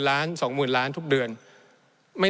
ในช่วงที่สุดในรอบ๑๖ปี